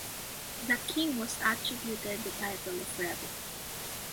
The King was attributed the title of rebel.